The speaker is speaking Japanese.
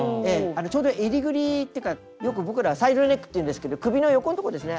ちょうどえりぐりってかよく僕らはサイドネックっていうんですけど首の横んとこですね。